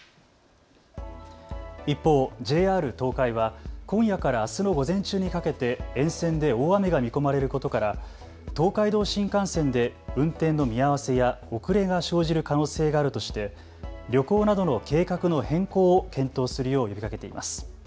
一方、ＪＲ東海は今夜からあすの午前中にかけて沿線で大雨が見込まれることから東海道新幹線で運転の見合わせや遅れが生じる可能性があるとして旅行などの計画の変更を検討するよう呼びかけています。